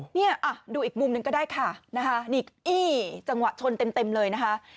นี่ดูอีกมุมหนึ่งก็ได้ค่ะจังหวะชนเต็มเลยนะคะ